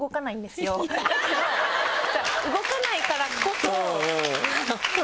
動かないからこそ。